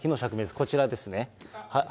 こちらですね。